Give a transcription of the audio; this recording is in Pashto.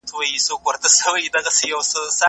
ښه نيت تل بري راولي